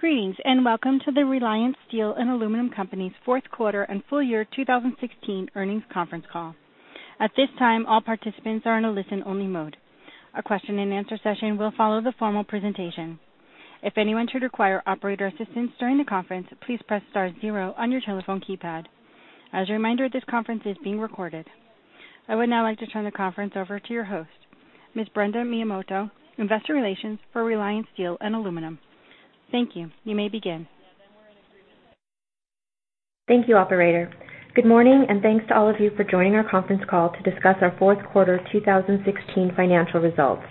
Greetings, and welcome to the Reliance Steel & Aluminum Co.'s fourth quarter and full year 2016 earnings conference call. At this time, all participants are in a listen-only mode. A question-and-answer session will follow the formal presentation. If anyone should require operator assistance during the conference, please press star zero on your telephone keypad. As a reminder, this conference is being recorded. I would now like to turn the conference over to your host, Ms. Brenda Miyamoto, Investor Relations for Reliance Steel & Aluminum. Thank you. You may begin. Thank you, operator. Good morning, thanks to all of you for joining our conference call to discuss our fourth quarter 2016 financial results.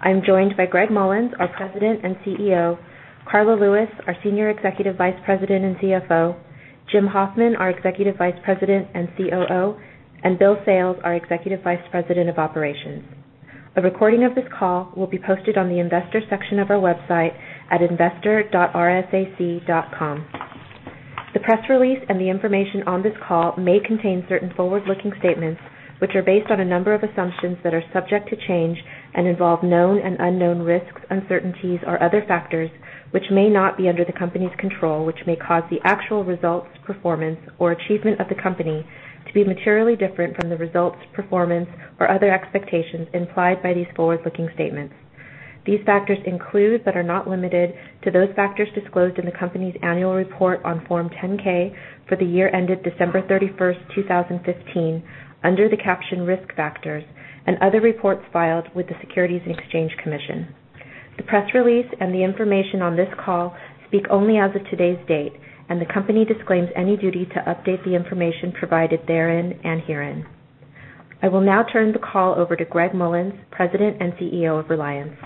I'm joined by Gregg Mollins, our President and CEO; Karla Lewis, our Senior Executive Vice President and CFO; Jim Hoffman, our Executive Vice President and COO; and Bill Sales, our Executive Vice President of Operations. A recording of this call will be posted on the investor section of our website at rsac.com. The press release and the information on this call may contain certain forward-looking statements, which are based on a number of assumptions that are subject to change and involve known and unknown risks, uncertainties, or other factors which may not be under the company's control, which may cause the actual results, performance, or achievement of the company to be materially different from the results, performance, or other expectations implied by these forward-looking statements. These factors include, but are not limited to, those factors disclosed in the company's annual report on Form 10-K for the year ended December 31st, 2015, under the caption Risk Factors and other reports filed with the Securities and Exchange Commission. The press release and the information on this call speak only as of today's date, the company disclaims any duty to update the information provided therein and herein. I will now turn the call over to Gregg Mollins, President and CEO of Reliance.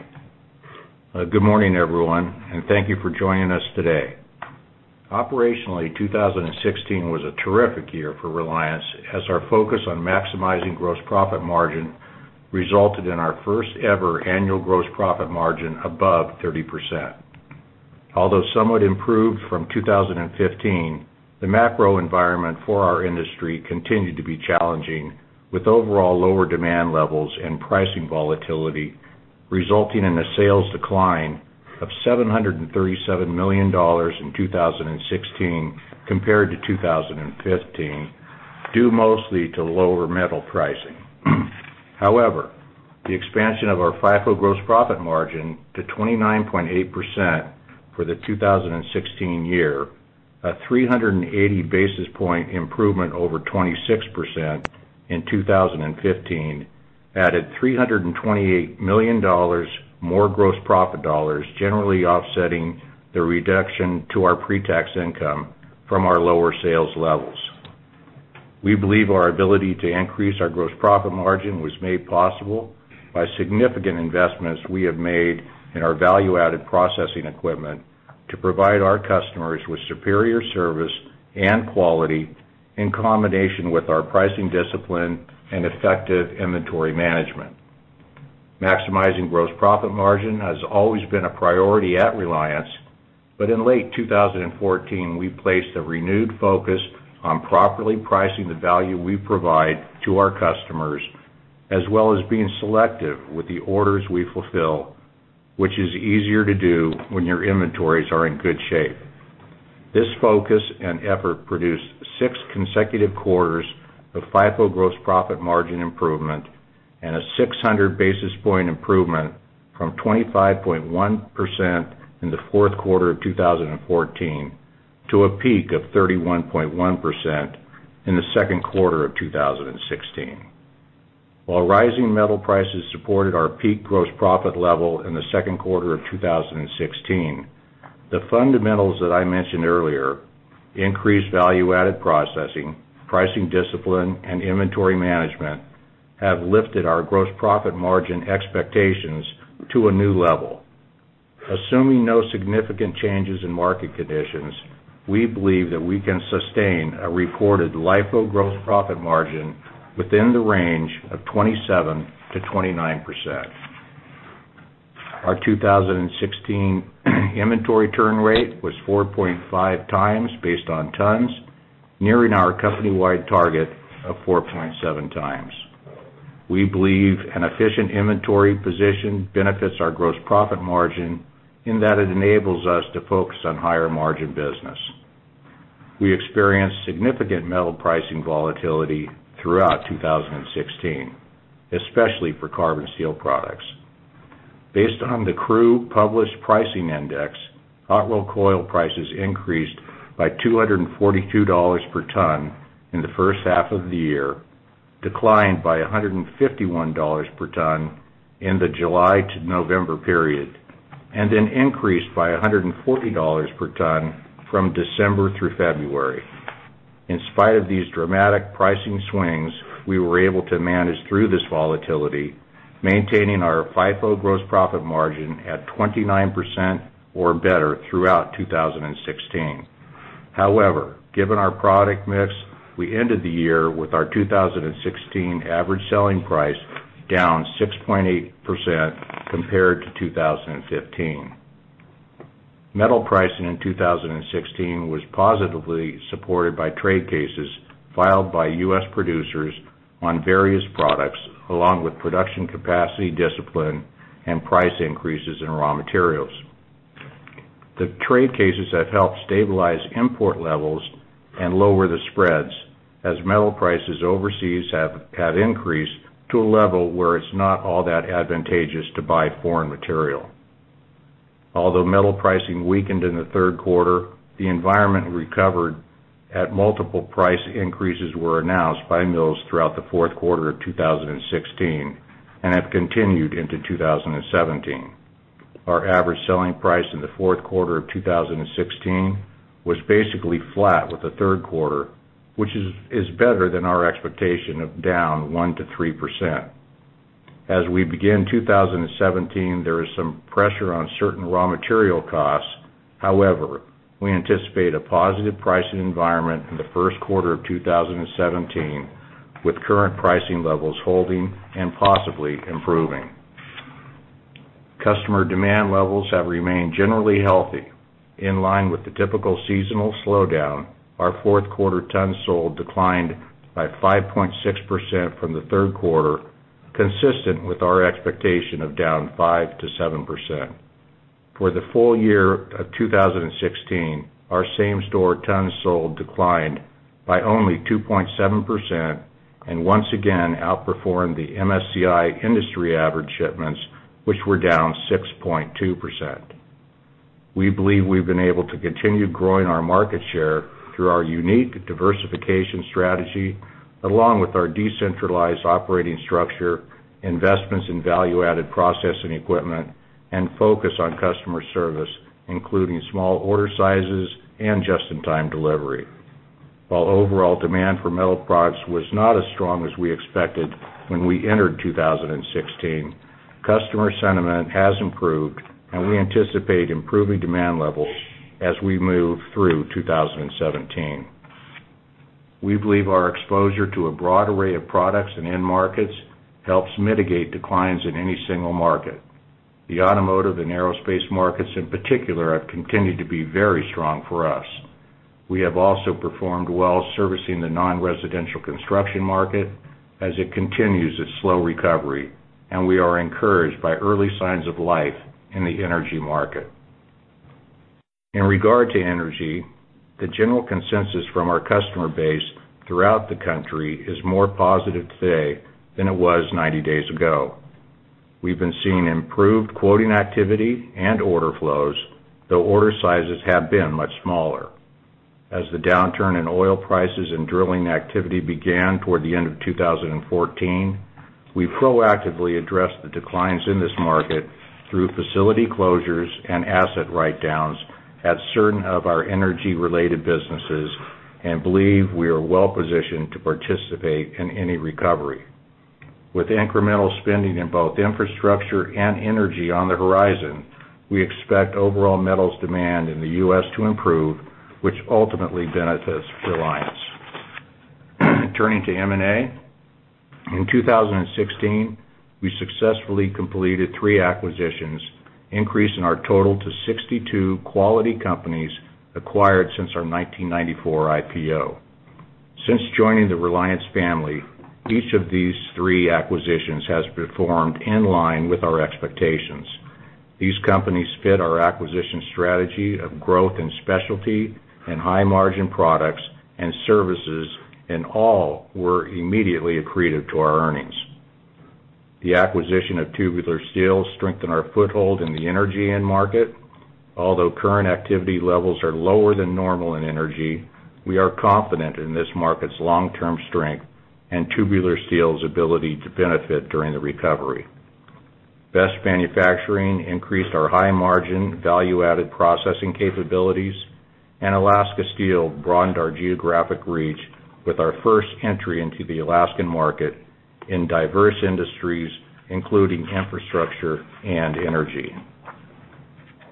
Good morning, everyone, thank you for joining us today. Operationally, 2016 was a terrific year for Reliance as our focus on maximizing gross profit margin resulted in our first-ever annual gross profit margin above 30%. Although somewhat improved from 2015, the macro environment for our industry continued to be challenging, with overall lower demand levels and pricing volatility resulting in a sales decline of $737 million in 2016 compared to 2015, due mostly to lower metal pricing. However, the expansion of our FIFO gross profit margin to 29.8% for the 2016 year, a 380-basis-point improvement over 26% in 2015, added $328 million more gross profit dollars, generally offsetting the reduction to our pre-tax income from our lower sales levels. We believe our ability to increase our gross profit margin was made possible by significant investments we have made in our value-added processing equipment to provide our customers with superior service and quality in combination with our pricing discipline and effective inventory management. Maximizing gross profit margin has always been a priority at Reliance, but in late 2014, we placed a renewed focus on properly pricing the value we provide to our customers, as well as being selective with the orders we fulfill, which is easier to do when your inventories are in good shape. This focus and effort produced six consecutive quarters of FIFO gross profit margin improvement and a 600 basis points improvement from 25.1% in the fourth quarter of 2014 to a peak of 31.1% in the second quarter of 2016. While rising metal prices supported our peak gross profit level in the second quarter of 2016, the fundamentals that I mentioned earlier, increased value-added processing, pricing discipline, and inventory management, have lifted our gross profit margin expectations to a new level. Assuming no significant changes in market conditions, we believe that we can sustain a reported LIFO gross profit margin within the range of 27%-29%. Our 2016 inventory turn rate was 4.5 times based on tons, nearing our company-wide target of 4.7 times. We believe an efficient inventory position benefits our gross profit margin in that it enables us to focus on higher-margin business. We experienced significant metal pricing volatility throughout 2016, especially for carbon steel products. Based on the CRU Published Pricing Index, hot rolled coil prices increased by $242 per ton in the first half of the year, declined by $151 per ton in the July to November period, and then increased by $140 per ton from December through February. In spite of these dramatic pricing swings, we were able to manage through this volatility, maintaining our FIFO gross profit margin at 29% or better throughout 2016. However, given our product mix, we ended the year with our 2016 average selling price down 6.8% compared to 2015. Metal pricing in 2016 was positively supported by trade cases filed by U.S. producers on various products, along with production capacity discipline and price increases in raw materials. The trade cases have helped stabilize import levels and lower the spreads, as metal prices overseas have increased to a level where it's not all that advantageous to buy foreign material. Although metal pricing weakened in the third quarter, the environment recovered as multiple price increases were announced by mills throughout the fourth quarter of 2016 and have continued into 2017. Our average selling price in the fourth quarter of 2016 was basically flat with the third quarter, which is better than our expectation of down 1%-3%. As we begin 2017, there is some pressure on certain raw material costs. However, we anticipate a positive pricing environment in the first quarter of 2017, with current pricing levels holding and possibly improving. Customer demand levels have remained generally healthy. In line with the typical seasonal slowdown, our fourth quarter tons sold declined by 5.6% from the third quarter, consistent with our expectation of down 5%-7%. For the full year of 2016, our same-store tons sold declined by only 2.7% and once again outperformed the MSCI industry average shipments, which were down 6.2%. We believe we've been able to continue growing our market share through our unique diversification strategy, along with our decentralized operating structure, investments in value-added processing equipment, and focus on customer service, including small order sizes and just-in-time delivery. While overall demand for metal products was not as strong as we expected when we entered 2016, customer sentiment has improved, and we anticipate improving demand levels as we move through 2017. We believe our exposure to a broad array of products and end markets helps mitigate declines in any single market. The automotive and aerospace markets, in particular, have continued to be very strong for us. We have also performed well servicing the non-residential construction market as it continues its slow recovery, and we are encouraged by early signs of life in the energy market. In regard to energy, the general consensus from our customer base throughout the country is more positive today than it was 90 days ago. We've been seeing improved quoting activity and order flows, though order sizes have been much smaller. As the downturn in oil prices and drilling activity began toward the end of 2014, we proactively addressed the declines in this market through facility closures and asset write-downs at certain of our energy-related businesses and believe we are well-positioned to participate in any recovery. With incremental spending in both infrastructure and energy on the horizon, we expect overall metals demand in the U.S. to improve, which ultimately benefits Reliance. Turning to M&A. In 2016, we successfully completed 3 acquisitions, increasing our total to 62 quality companies acquired since our 1994 IPO. Since joining the Reliance family, each of these 3 acquisitions has performed in line with our expectations. These companies fit our acquisition strategy of growth in specialty and high-margin products and services, and all were immediately accretive to our earnings. The acquisition of Tubular Steel strengthened our foothold in the energy end market. Although current activity levels are lower than normal in energy, we are confident in this market's long-term strength and Tubular Steel's ability to benefit during the recovery. Best Manufacturing increased our high-margin, value-added processing capabilities, and Alaska Steel broadened our geographic reach with our first entry into the Alaskan market in diverse industries, including infrastructure and energy.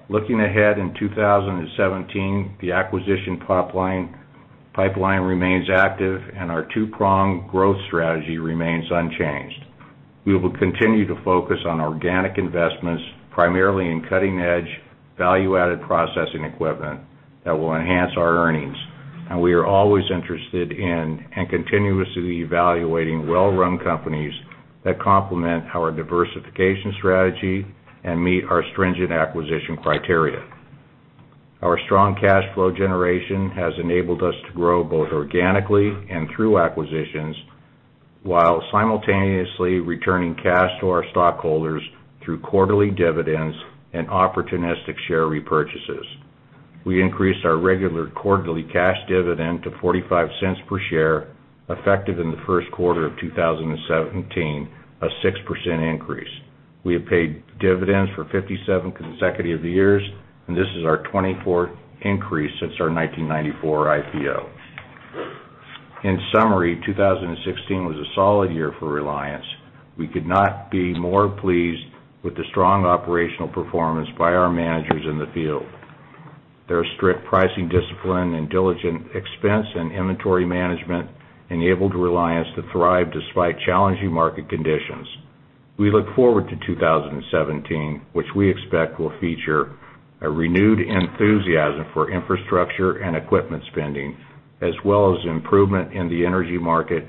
Looking ahead in 2017, the acquisition pipeline remains active, and our two-pronged growth strategy remains unchanged. We will continue to focus on organic investments, primarily in cutting-edge, value-added processing equipment that will enhance our earnings. We are always interested in and continuously evaluating well-run companies that complement our diversification strategy and meet our stringent acquisition criteria. Our strong cash flow generation has enabled us to grow both organically and through acquisitions while simultaneously returning cash to our stockholders through quarterly dividends and opportunistic share repurchases. We increased our regular quarterly cash dividend to $0.45 per share, effective in the first quarter of 2017, a 6% increase. We have paid dividends for 57 consecutive years. This is our 24th increase since our 1994 IPO. In summary, 2016 was a solid year for Reliance. We could not be more pleased with the strong operational performance by our managers in the field. Their strict pricing discipline and diligent expense and inventory management enabled Reliance to thrive despite challenging market conditions. We look forward to 2017, which we expect will feature a renewed enthusiasm for infrastructure and equipment spending, as well as improvement in the energy market.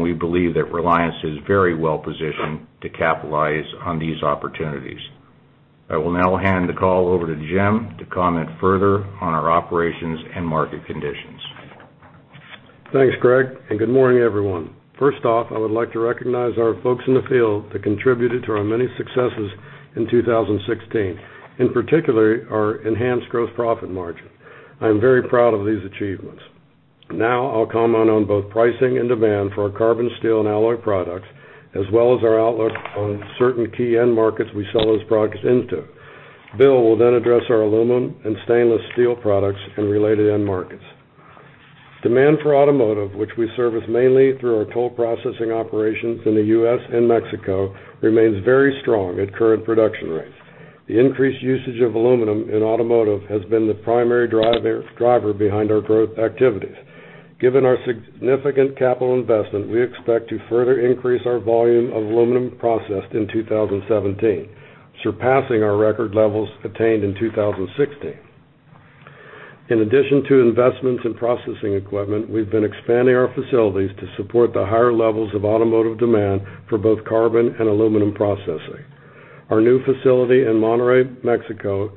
We believe that Reliance is very well-positioned to capitalize on these opportunities. I will now hand the call over to Jim to comment further on our operations and market conditions. Thanks, Gregg. Good morning, everyone. First off, I would like to recognize our folks in the field that contributed to our many successes in 2016, in particular, our enhanced gross profit margin. I am very proud of these achievements. I'll comment on both pricing and demand for our carbon steel and alloy products, as well as our outlook on certain key end markets we sell those products into. Bill will address our aluminum and stainless steel products and related end markets. Demand for automotive, which we service mainly through our toll processing operations in the U.S. and Mexico, remains very strong at current production rates. The increased usage of aluminum in automotive has been the primary driver behind our growth activities. Given our significant capital investment, we expect to further increase our volume of aluminum processed in 2017, surpassing our record levels attained in 2016. In addition to investments in processing equipment, we've been expanding our facilities to support the higher levels of automotive demand for both carbon and aluminum processing. Our new facility in Monterrey, Mexico,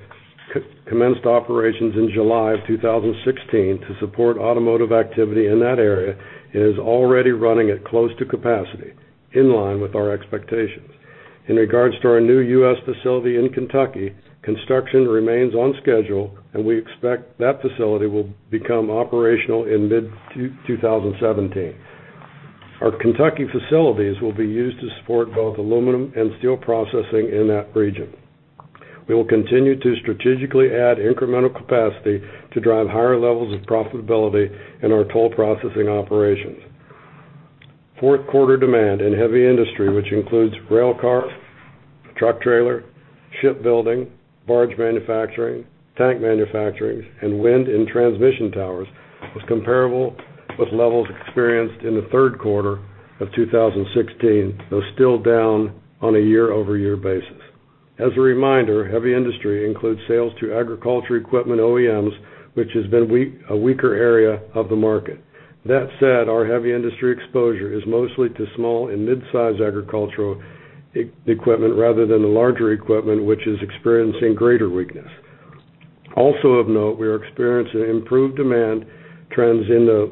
commenced operations in July of 2016 to support automotive activity in that area. It is already running at close to capacity, in line with our expectations. In regards to our new U.S. facility in Kentucky, construction remains on schedule. We expect that facility will become operational in mid-2017. Our Kentucky facilities will be used to support both aluminum and steel processing in that region. We will continue to strategically add incremental capacity to drive higher levels of profitability in our toll processing operations. Fourth quarter demand in heavy industry, which includes rail car, truck trailer, shipbuilding, barge manufacturing, tank manufacturing, and wind and transmission towers, was comparable with levels experienced in the third quarter of 2016, though still down on a year-over-year basis. As a reminder, heavy industry includes sales to agriculture equipment OEMs, which has been a weaker area of the market. That said, our heavy industry exposure is mostly to small and mid-size agricultural equipment rather than the larger equipment, which is experiencing greater weakness. Also of note, we are experiencing improved demand trends in the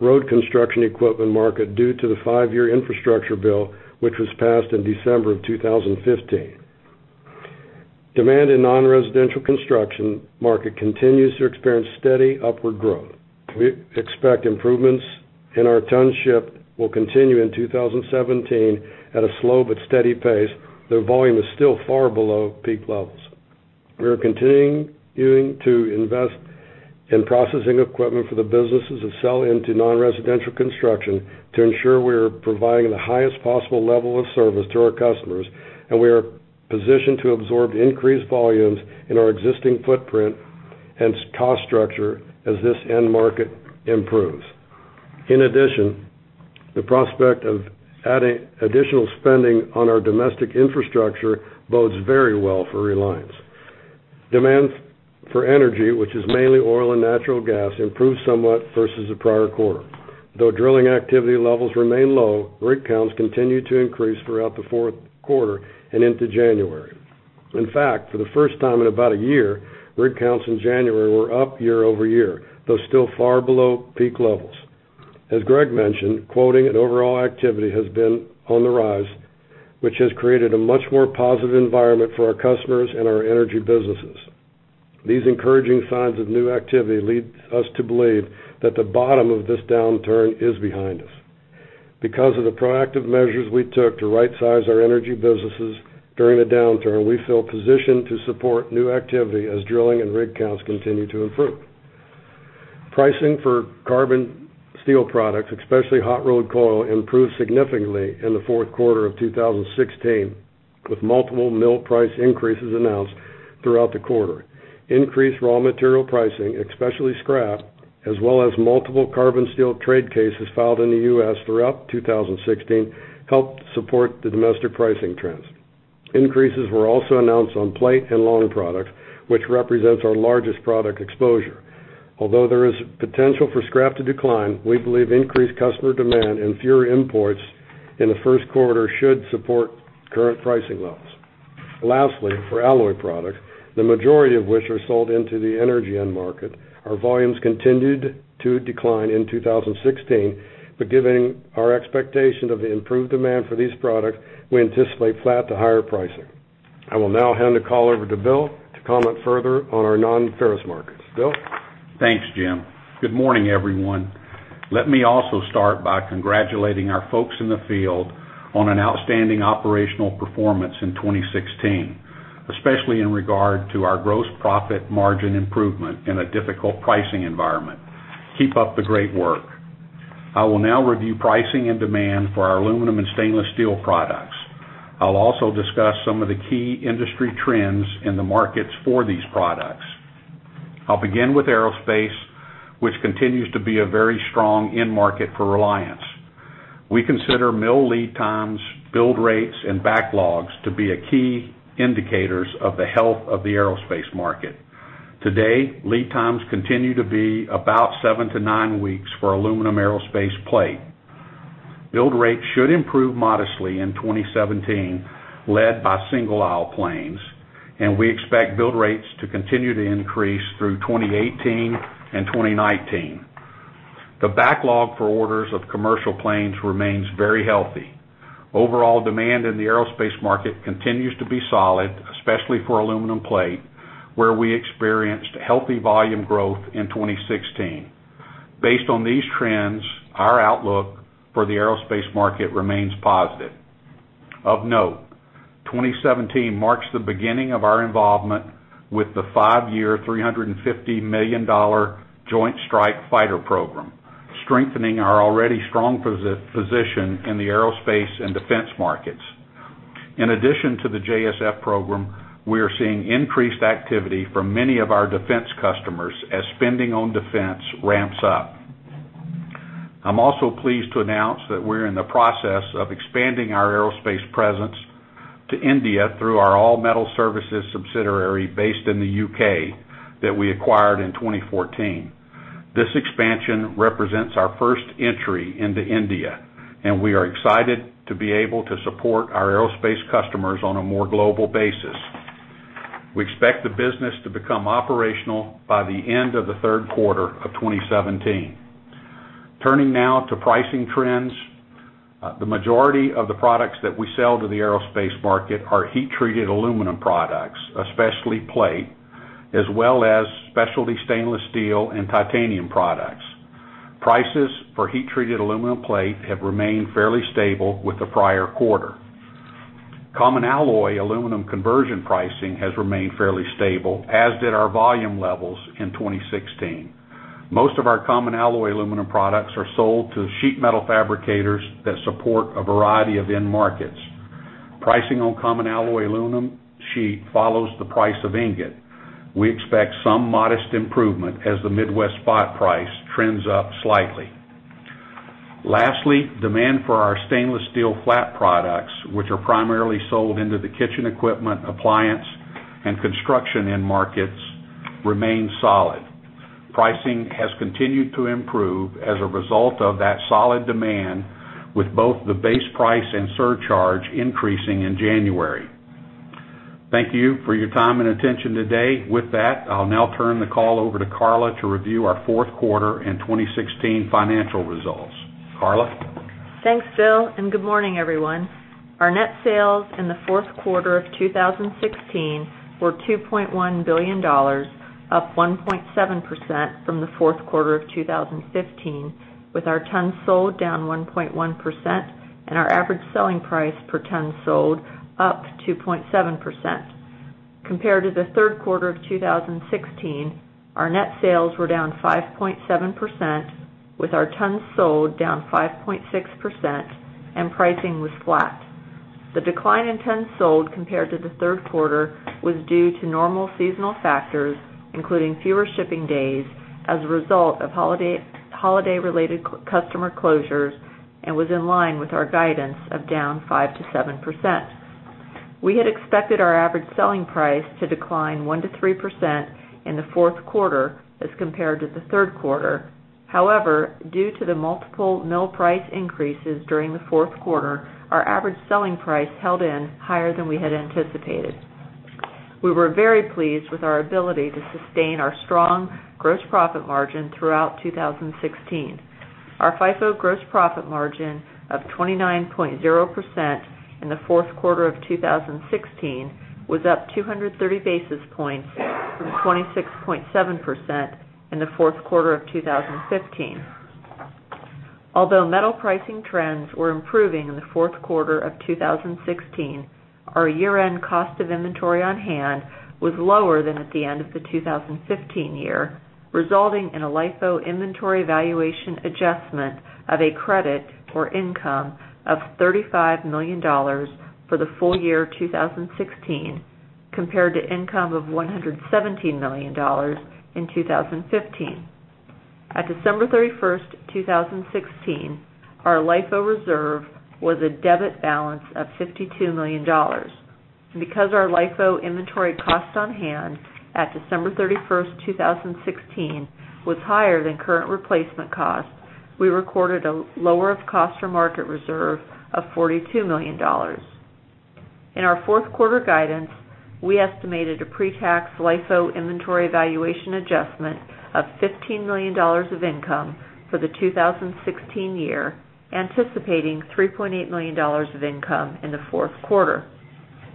road construction equipment market due to the 5-year infrastructure bill, which was passed in December of 2015. Demand in non-residential construction market continues to experience steady upward growth. We expect improvements in our ton ship will continue in 2017 at a slow but steady pace, though volume is still far below peak levels. We are continuing to invest in processing equipment for the businesses that sell into non-residential construction to ensure we are providing the highest possible level of service to our customers. We are positioned to absorb increased volumes in our existing footprint and cost structure as this end market improves. In addition, the prospect of adding additional spending on our domestic infrastructure bodes very well for Reliance. Demand for energy, which is mainly oil and natural gas, improved somewhat versus the prior quarter. Though drilling activity levels remain low, rig counts continued to increase throughout the fourth quarter and into January. In fact, for the first time in about a year, rig counts in January were up year-over-year, though still far below peak levels. As Gregg mentioned, quoting and overall activity has been on the rise, which has created a much more positive environment for our customers and our energy businesses. These encouraging signs of new activity lead us to believe that the bottom of this downturn is behind us. Because of the proactive measures we took to right-size our energy businesses during the downturn, we feel positioned to support new activity as drilling and rig counts continue to improve. Pricing for carbon steel products, especially hot rolled coil, improved significantly in the fourth quarter of 2016, with multiple mill price increases announced throughout the quarter. Increased raw material pricing, especially scrap, as well as multiple carbon steel trade cases filed in the U.S. throughout 2016, helped support the domestic pricing trends. Increases were also announced on plate and long products, which represents our largest product exposure. Although there is potential for scrap to decline, we believe increased customer demand and fewer imports in the first quarter should support current pricing levels. Lastly, for alloy products, the majority of which are sold into the energy end market, our volumes continued to decline in 2016. Given our expectation of the improved demand for these products, we anticipate flat to higher pricing. I will now hand the call over to Bill to comment further on our non-ferrous markets. Bill? Thanks, Jim. Good morning, everyone. Let me also start by congratulating our folks in the field on an outstanding operational performance in 2016, especially in regard to our gross profit margin improvement in a difficult pricing environment. Keep up the great work. I will now review pricing and demand for our aluminum and stainless steel products. I'll also discuss some of the key industry trends in the markets for these products. I'll begin with aerospace, which continues to be a very strong end market for Reliance. We consider mill lead times, build rates, and backlogs to be a key indicators of the health of the aerospace market. Today, lead times continue to be about seven to nine weeks for aluminum aerospace plate. Build rates should improve modestly in 2017, led by single-aisle planes, and we expect build rates to continue to increase through 2018 and 2019. The backlog for orders of commercial planes remains very healthy. Overall demand in the aerospace market continues to be solid, especially for aluminum plate, where we experienced healthy volume growth in 2016. Based on these trends, our outlook for the aerospace market remains positive. Of note, 2017 marks the beginning of our involvement with the five-year $350 million Joint Strike Fighter program, strengthening our already strong position in the aerospace and defense markets. In addition to the JSF program, we are seeing increased activity from many of our defense customers as spending on defense ramps up. I'm also pleased to announce that we're in the process of expanding our aerospace presence to India through our All Metal Services subsidiary based in the U.K. that we acquired in 2014. This expansion represents our first entry into India. We are excited to be able to support our aerospace customers on a more global basis. We expect the business to become operational by the end of the third quarter of 2017. Turning now to pricing trends. The majority of the products that we sell to the aerospace market are heat-treated aluminum products, especially plate, as well as specialty stainless steel and titanium products. Prices for heat-treated aluminum plate have remained fairly stable with the prior quarter. Common alloy aluminum conversion pricing has remained fairly stable, as did our volume levels in 2016. Most of our common alloy aluminum products are sold to sheet metal fabricators that support a variety of end markets. Pricing on common alloy aluminum sheet follows the price of ingot. We expect some modest improvement as the Midwest spot price trends up slightly. Lastly, demand for our stainless steel flat products, which are primarily sold into the kitchen equipment, appliance, and construction end markets, remain solid. Pricing has continued to improve as a result of that solid demand with both the base price and surcharge increasing in January. Thank you for your time and attention today. With that, I'll now turn the call over to Karla to review our fourth quarter and 2016 financial results. Karla? Thanks, Bill, and good morning, everyone. Our net sales in the fourth quarter of 2016 were $2.1 billion, up 1.7% from the fourth quarter of 2015, with our tons sold down 1.1% and our average selling price per ton sold up 2.7%. Compared to the third quarter of 2016, our net sales were down 5.7%, with our tons sold down 5.6% and pricing was flat. The decline in tons sold compared to the third quarter was due to normal seasonal factors, including fewer shipping days as a result of holiday-related customer closures and was in line with our guidance of down 5%-7%. We had expected our average selling price to decline 1%-3% in the fourth quarter as compared to the third quarter. Due to the multiple mill price increases during the fourth quarter, our average selling price held in higher than we had anticipated. We were very pleased with our ability to sustain our strong gross profit margin throughout 2016. Our FIFO gross profit margin of 29.0% in the fourth quarter of 2016 was up 230 basis points from 26.7% in the fourth quarter of 2015. Although metal pricing trends were improving in the fourth quarter of 2016, our year-end cost of inventory on hand was lower than at the end of the 2015 year, resulting in a LIFO inventory valuation adjustment of a credit or income of $35 million for the full year 2016, compared to income of $117 million in 2015. At December 31st, 2016, our LIFO reserve was a debit balance of $52 million. Because our LIFO inventory cost on hand at December 31st, 2016 was higher than current replacement cost, we recorded a lower of cost for market reserve of $42 million. In our fourth quarter guidance, we estimated a pre-tax LIFO inventory valuation adjustment of $15 million of income for the 2016 year, anticipating $3.8 million of income in the fourth quarter.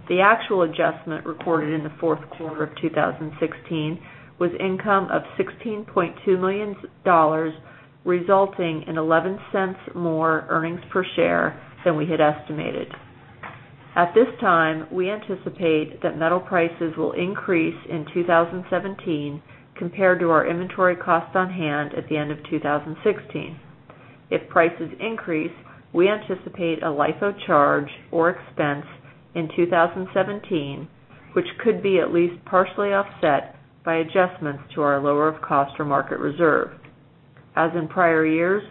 The actual adjustment reported in the fourth quarter of 2016 was income of $16.2 million, resulting in $0.11 more earnings per share than we had estimated. At this time, we anticipate that metal prices will increase in 2017 compared to our inventory cost on hand at the end of 2016. If prices increase, we anticipate a LIFO charge or expense in 2017, which could be at least partially offset by adjustments to our lower cost or market reserve. As in prior years,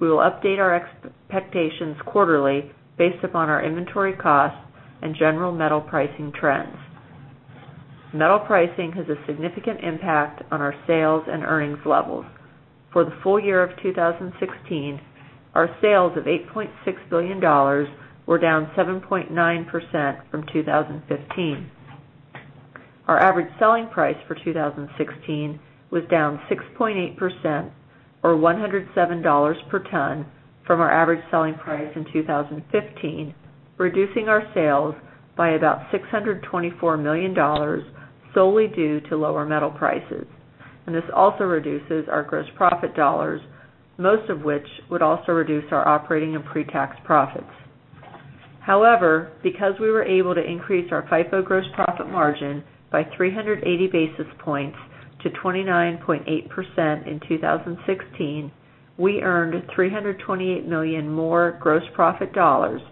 we will update our expectations quarterly based upon our inventory costs and general metal pricing trends. Metal pricing has a significant impact on our sales and earnings levels. For the full year of 2016, our sales of $8.6 billion were down 7.9% from 2015. Our average selling price for 2016 was down 6.8%, or $107 per ton from our average selling price in 2015, reducing our sales by about $624 million solely due to lower metal prices. This also reduces our gross profit dollars, most of which would also reduce our operating and pre-tax profits. Because we were able to increase our FIFO gross profit margin by 380 basis points to 29.8% in 2016, we earned $328 million more gross profit dollars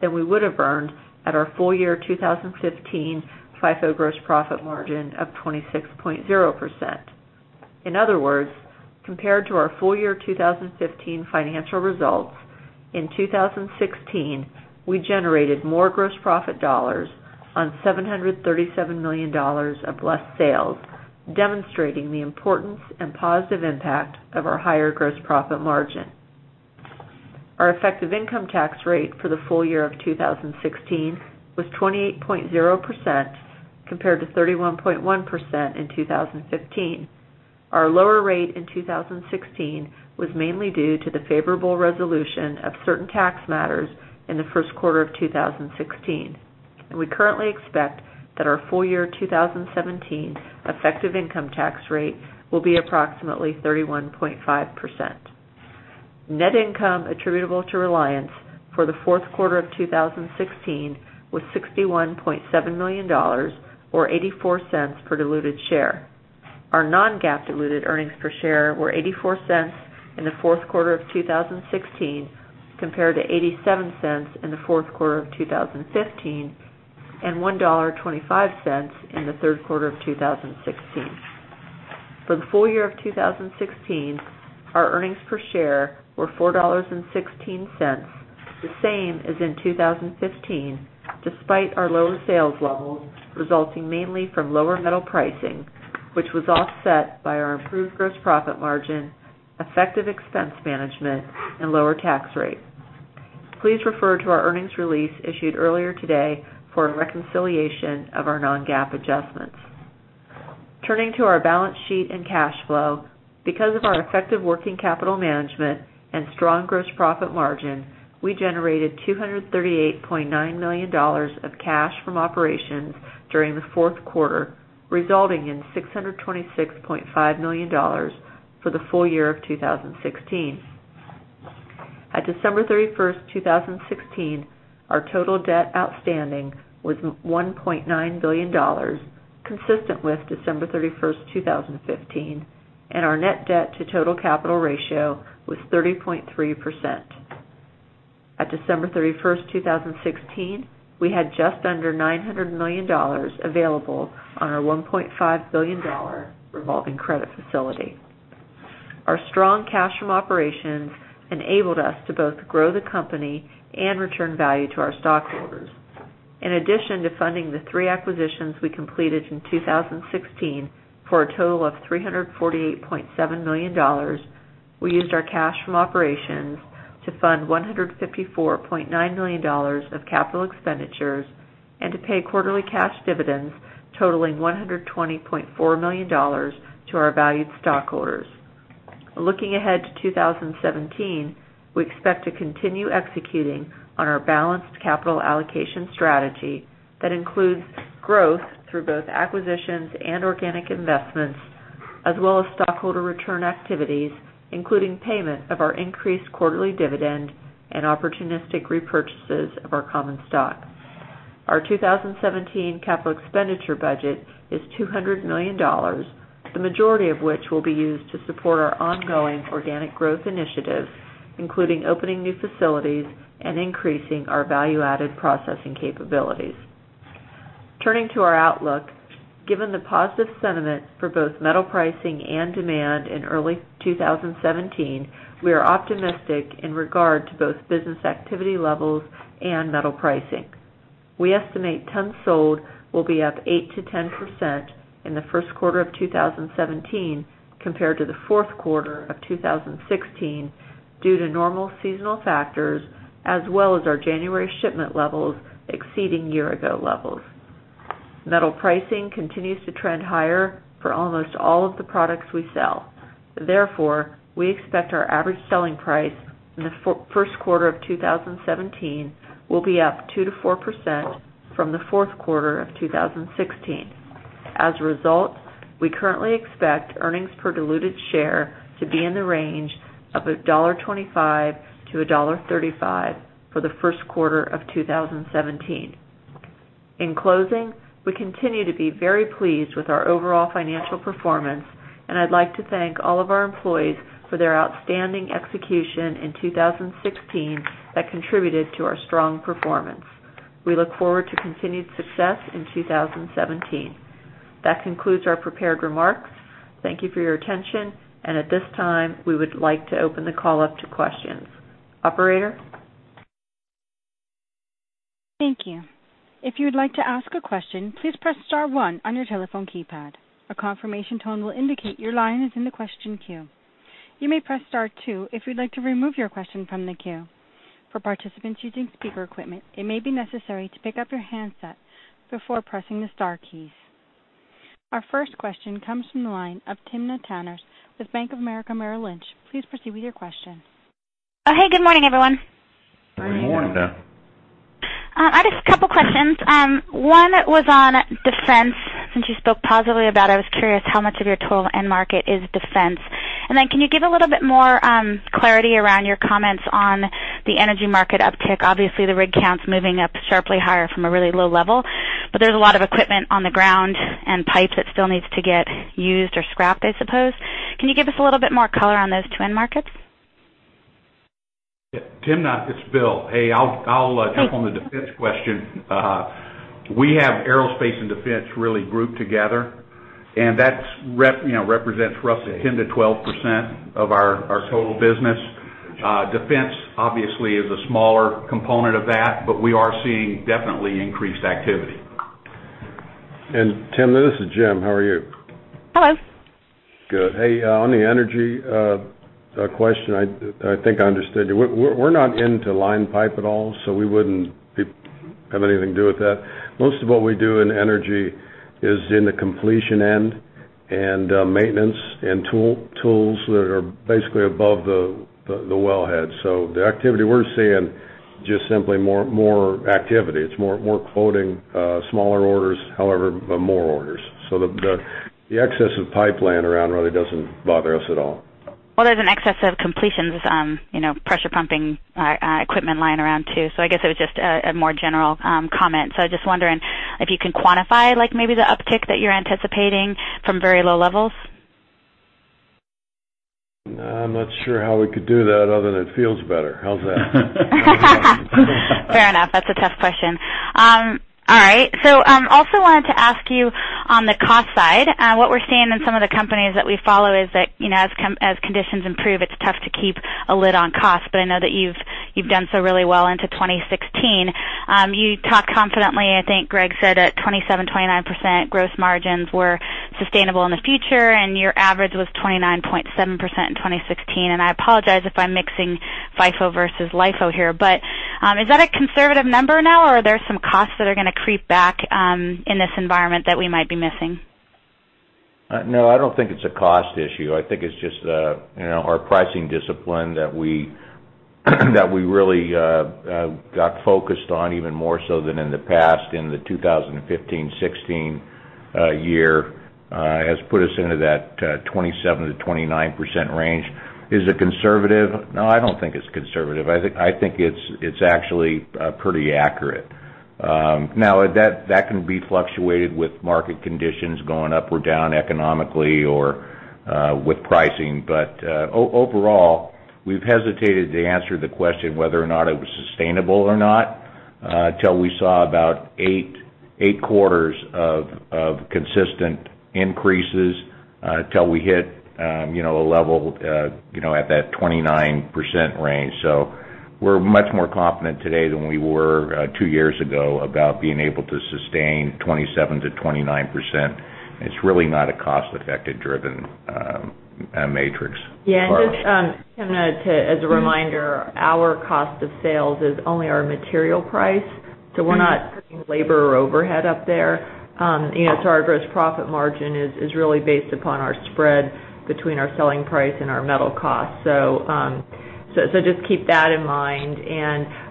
than we would have earned at our full year 2015 FIFO gross profit margin of 26.0%. In other words, compared to our full year 2015 financial results, in 2016, we generated more gross profit dollars on $737 million of less sales, demonstrating the importance and positive impact of our higher gross profit margin. Our effective income tax rate for the full year of 2016 was 28.0%, compared to 31.1% in 2015. Our lower rate in 2016 was mainly due to the favorable resolution of certain tax matters in the first quarter of 2016. We currently expect that our full year 2017 effective income tax rate will be approximately 31.5%. Net income attributable to Reliance for the fourth quarter of 2016 was $61.7 million, or $0.84 per diluted share. Our non-GAAP diluted earnings per share were $0.84 in the fourth quarter of 2016, compared to $0.87 in the fourth quarter of 2015 and $1.25 in the third quarter of 2016. For the full year of 2016, our earnings per share were $4.16, the same as in 2015, despite our lower sales levels resulting mainly from lower metal pricing, which was offset by our improved gross profit margin, effective expense management, and lower tax rate. Please refer to our earnings release issued earlier today for a reconciliation of our non-GAAP adjustments. Turning to our balance sheet and cash flow, because of our effective working capital management and strong gross profit margin, we generated $238.9 million of cash from operations during the fourth quarter, resulting in $626.9 million for the full year of 2016. At December 31st, 2016, our total debt outstanding was $1.9 billion, consistent with December 31st, 2015, and our net debt to total capital ratio was 30.3%. At December 31st, 2016, we had just under $900 million available on our $1.5 billion revolving credit facility. Our strong cash from operations enabled us to both grow the company and return value to our stockholders. In addition to funding the three acquisitions we completed in 2016, for a total of $348.7 million, we used our cash from operations to fund $154.9 million of capital expenditures and to pay quarterly cash dividends totaling $120.4 million to our valued stockholders. Looking ahead to 2017, we expect to continue executing on our balanced capital allocation strategy that includes growth through both acquisitions and organic investments, as well as stockholder return activities, including payment of our increased quarterly dividend and opportunistic repurchases of our common stock. Our 2017 capital expenditure budget is $200 million, the majority of which will be used to support our ongoing organic growth initiatives, including opening new facilities and increasing our value-added processing capabilities. Turning to our outlook, given the positive sentiment for both metal pricing and demand in early 2017, we are optimistic in regard to both business activity levels and metal pricing. We estimate tons sold will be up 8%-10% in the first quarter of 2017 compared to the fourth quarter of 2016 due to normal seasonal factors as well as our January shipment levels exceeding year-ago levels. Metal pricing continues to trend higher for almost all of the products we sell. We expect our average selling price in the first quarter of 2017 will be up 2%-4% from the fourth quarter of 2016. We currently expect earnings per diluted share to be in the range of $1.25-$1.35 for the first quarter of 2017. In closing, we continue to be very pleased with our overall financial performance, and I'd like to thank all of our employees for their outstanding execution in 2016 that contributed to our strong performance. We look forward to continued success in 2017. That concludes our prepared remarks. Thank you for your attention, and at this time, we would like to open the call up to questions. Operator? Thank you. If you would like to ask a question, please press star one on your telephone keypad. A confirmation tone will indicate your line is in the question queue. You may press star two if you'd like to remove your question from the queue. For participants using speaker equipment, it may be necessary to pick up your handset before pressing the star keys. Our first question comes from the line of Timna Tanners with Bank of America Merrill Lynch. Please proceed with your question. Hey, good morning, everyone. Good morning. Good morning. I just have a couple questions. One was on defense. Since you spoke positively about it, I was curious how much of your total end market is defense. Then can you give a little bit more clarity around your comments on the energy market uptick? Obviously, the rig count's moving up sharply higher from a really low level, but there's a lot of equipment on the ground and pipes that still needs to get used or scrapped, I suppose. Can you give us a little bit more color on those twin markets? Yeah, Timna, it's Bill. Hey, I'll jump on the defense question. We have aerospace and defense really grouped together. That represents roughly 10%-12% of our total business. Defense obviously is a smaller component of that, but we are seeing definitely increased activity. Timna, this is Jim. How are you? Hello. Good. Hey, on the energy question, I think I understood you. We're not into line pipe at all, we wouldn't have anything to do with that. Most of what we do in energy is in the completion end and maintenance and tools that are basically above the wellhead. The activity we're seeing, just simply more activity. It's more quoting smaller orders, however, but more orders. The excess of pipe laying around really doesn't bother us at all. Well, there's an excess of completions pressure pumping equipment lying around, too. I guess it was just a more general comment. I was just wondering if you can quantify maybe the uptick that you're anticipating from very low levels. No, I'm not sure how we could do that other than it feels better. How's that? Fair enough. That's a tough question. All right. Also wanted to ask you on the cost side, what we're seeing in some of the companies that we follow is that, as conditions improve, it's tough to keep a lid on cost. I know that you've done so really well into 2016. You talked confidently, I think Gregg said it, 27%-29% gross margins were sustainable in the future, and your average was 29.7% in 2016. I apologize if I'm mixing FIFO versus LIFO here, but is that a conservative number now, or are there some costs that are going to creep back in this environment that we might be missing? I don't think it's a cost issue. I think it's just our pricing discipline that we really got focused on even more so than in the past in the 2015-2016 year has put us into that 27%-29% range. Is it conservative? I don't think it's conservative. I think it's actually pretty accurate. That can be fluctuated with market conditions going up or down economically or with pricing. Overall, we've hesitated to answer the question whether or not it was sustainable or not until we saw about 8 quarters of consistent increases, until we hit a level at that 29% range. We're much more confident today than we were 2 years ago about being able to sustain 27%-29%. It's really not a cost-effective driven matrix. Timna, as a reminder, our cost of sales is only our material price. We're not putting labor or overhead up there. Our gross profit margin is really based upon our spread between our selling price and our metal cost. Just keep that in mind.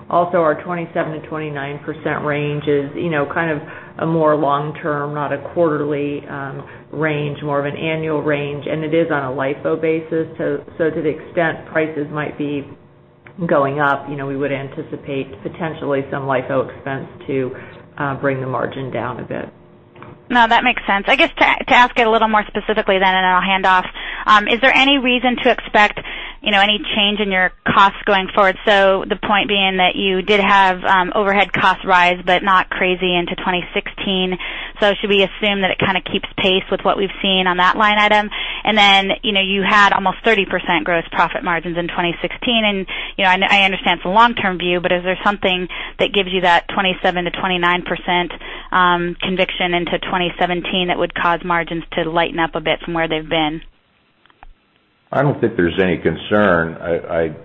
Our 27%-29% range is kind of a more long-term, not a quarterly range, more of an annual range, and it is on a LIFO basis. To the extent prices might be going up, we would anticipate potentially some LIFO expense to bring the margin down a bit. That makes sense. I guess to ask it a little more specifically then, and I'll hand off. Is there any reason to expect any change in your costs going forward? The point being that you did have overhead cost rise, but not crazy into 2016. Should we assume that it kind of keeps pace with what we've seen on that line item? You had almost 30% gross profit margins in 2016. I understand it's a long-term view, but is there something that gives you that 27%-29% conviction into 2017 that would cause margins to lighten up a bit from where they've been? I don't think there's any concern.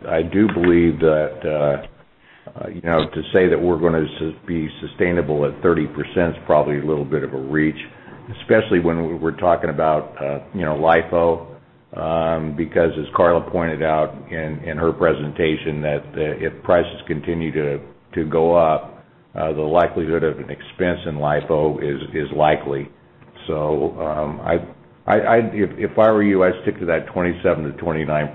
I do believe that to say that we're going to be sustainable at 30% is probably a little bit of a reach, especially when we're talking about LIFO, because as Karla pointed out in her presentation, that if prices continue to go up, the likelihood of an expense in LIFO is likely. if I were you, I'd stick to that 27%-29%. I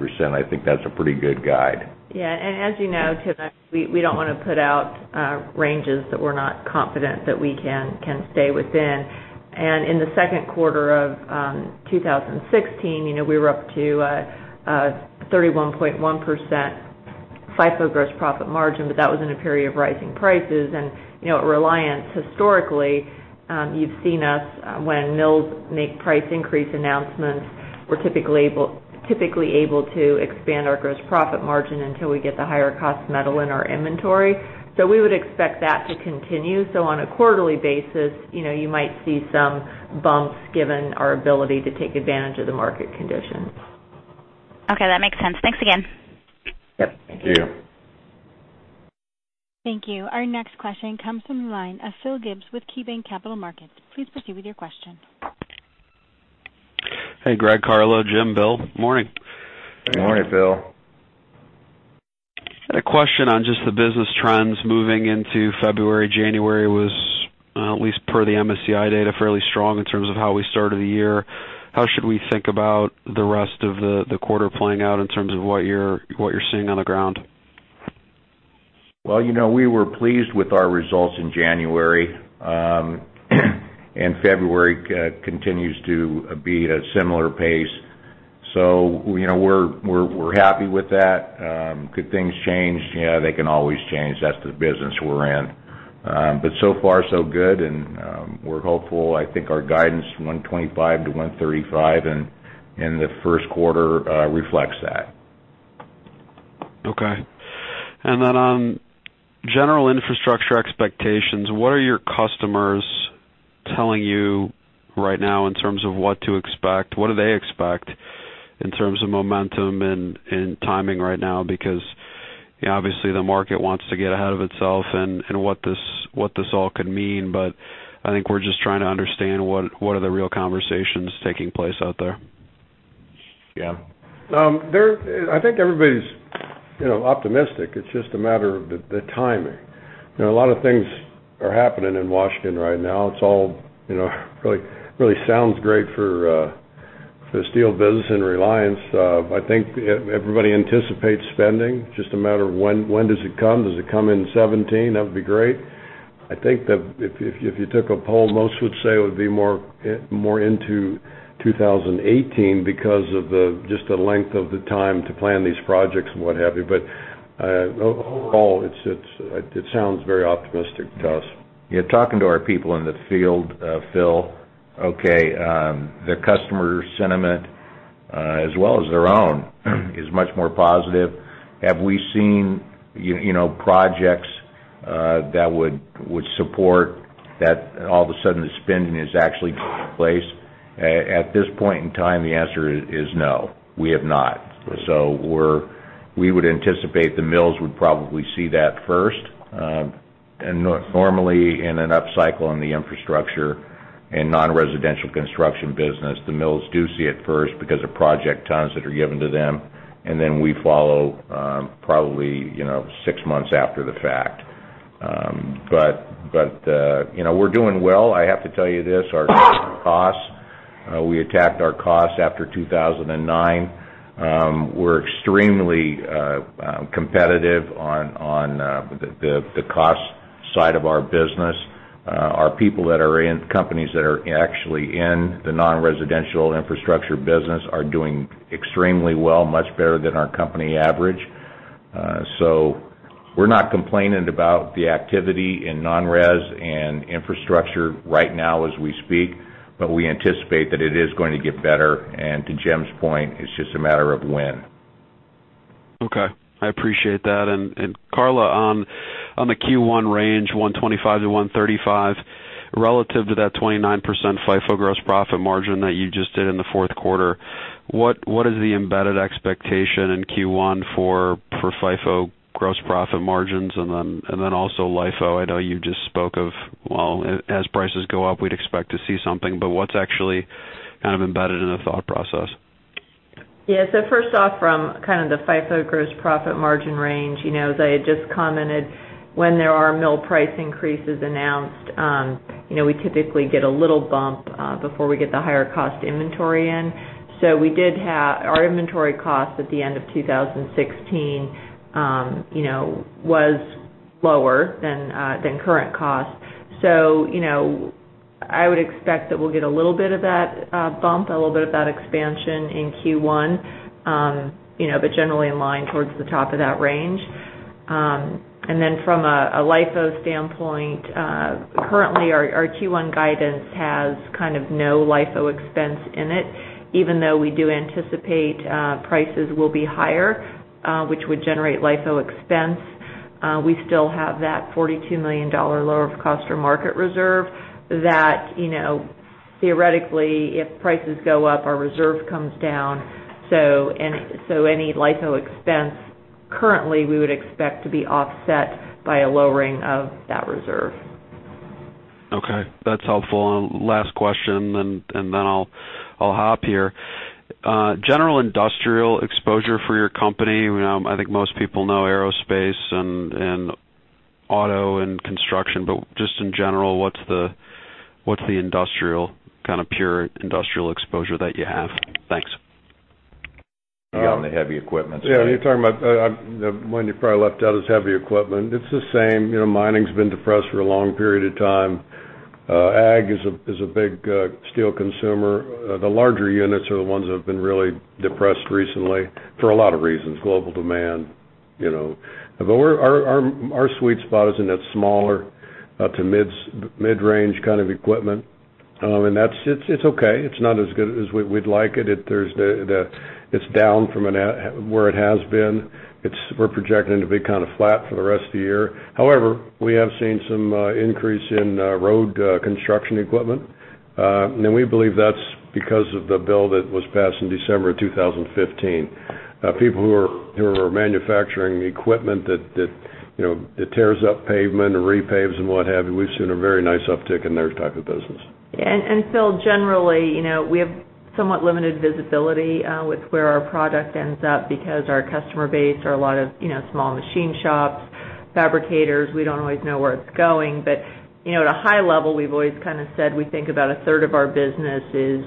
think that's a pretty good guide. Yeah. As you know, Timna, we don't want to put out ranges that we're not confident that we can stay within. In the second quarter of 2016, we were up to 31.1% FIFO gross profit margin, that was in a period of rising prices. At Reliance, historically, you've seen us when mills make price increase announcements, we're typically able to expand our gross profit margin until we get the higher cost metal in our inventory. We would expect that to continue. On a quarterly basis, you might see some bumps given our ability to take advantage of the market conditions. Okay, that makes sense. Thanks again. Yep. Thank you. Thank you. Our next question comes from the line of Phil Gibbs with KeyBanc Capital Markets. Please proceed with your question. Hey, Gregg, Karla, Jim, Bill, morning. Morning, Phil. I had a question on just the business trends moving into February. January was, at least per the MSCI data, fairly strong in terms of how we started the year. How should we think about the rest of the quarter playing out in terms of what you're seeing on the ground? Well, we were pleased with our results in January. February continues to be at a similar pace. We're happy with that. Could things change? Yeah, they can always change. That's the business we're in. So far so good, and we're hopeful. I think our guidance, $125-$135 in the first quarter, reflects that. Okay. On general infrastructure expectations, what are your customers telling you right now in terms of what to expect? What do they expect in terms of momentum and timing right now? Obviously, the market wants to get ahead of itself and what this all could mean. I think we're just trying to understand what are the real conversations taking place out there. Yeah. I think everybody's optimistic. It's just a matter of the timing. A lot of things are happening in Washington right now. It all really sounds great for the steel business and Reliance. I think everybody anticipates spending. Just a matter of when does it come? Does it come in 2017? That would be great. I think that if you took a poll, most would say it would be more into 2018 because of just the length of the time to plan these projects and what have you. Overall, it sounds very optimistic to us. Yeah. Talking to our people in the field, Phil, okay, their customer sentiment, as well as their own, is much more positive. Have we seen projects that would support that all of a sudden the spending is actually taking place? At this point in time, the answer is no, we have not. We would anticipate the mills would probably see that first. Normally in an upcycle in the infrastructure and non-residential construction business, the mills do see it first because of project tons that are given to them, and then we follow probably six months after the fact. We're doing well. I have to tell you this, we attacked our cost after 2009. We're extremely competitive on the cost side of our business. Our people that are in companies that are actually in the non-residential infrastructure business are doing extremely well, much better than our company average. We're not complaining about the activity in non-res and infrastructure right now as we speak, but we anticipate that it is going to get better. To Jim's point, it's just a matter of when. Okay. I appreciate that. Karla, on the Q1 range, $1.25-$1.35, relative to that 29% FIFO gross profit margin that you just did in the fourth quarter, what is the embedded expectation in Q1 for FIFO gross profit margins? Also LIFO, I know you just spoke of, well, as prices go up, we'd expect to see something, but what's actually kind of embedded in the thought process? Yeah. First off, from kind of the FIFO gross profit margin range, as I had just commented, when there are mill price increases announced, we typically get a little bump before we get the higher cost inventory in. We did have our inventory cost at the end of 2016 was lower than current cost. I would expect that we'll get a little bit of that bump, a little bit of that expansion in Q1. Generally in line towards the top of that range. From a LIFO standpoint, currently our Q1 guidance has kind of no LIFO expense in it, even though we do anticipate prices will be higher, which would generate LIFO expense. We still have that $42 million lower of cost or market reserve that theoretically, if prices go up, our reserve comes down. Any LIFO expense currently we would expect to be offset by a lowering of that reserve. Okay. That's helpful. Last question, then I'll hop here. General industrial exposure for your company, I think most people know aerospace and auto and construction, but just in general, what's the pure industrial exposure that you have? Thanks. You got on the heavy equipment side. Yeah, you're talking about, the one you probably left out is heavy equipment. It's the same. Mining's been depressed for a long period of time. Ag is a big steel consumer. The larger units are the ones that have been really depressed recently for a lot of reasons, global demand. Our sweet spot is in that smaller to mid-range kind of equipment. It's okay. It's not as good as we'd like it. It's down from where it has been. We're projecting it to be kind of flat for the rest of the year. However, we have seen some increase in road construction equipment. We believe that's because of the bill that was passed in December of 2015. People who are manufacturing equipment that tears up pavement or repaves and what have you, we've seen a very nice uptick in their type of business. Phil, generally, we have somewhat limited visibility with where our product ends up because our customer base are a lot of small machine shops, fabricators. We don't always know where it's going. At a high level, we've always kind of said we think about a third of our business is